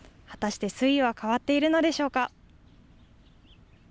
果たして水位は変わっているのでしょうか。